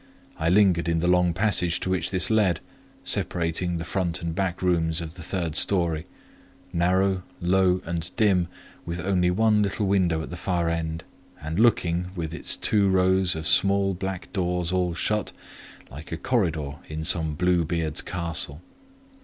I lingered in the long passage to which this led, separating the front and back rooms of the third storey: narrow, low, and dim, with only one little window at the far end, and looking, with its two rows of small black doors all shut, like a corridor in some Bluebeard's castle.